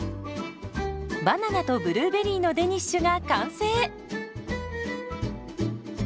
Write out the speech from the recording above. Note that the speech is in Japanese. バナナとブルーベリーのデニッシュが完成。